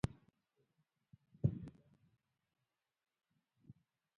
سیلانی ځایونه د افغانستان د ځمکې د جوړښت نښه ده.